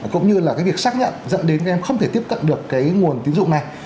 cũng như là việc xác nhận dẫn đến các em không thể tiếp cận được nguồn tiến dụng này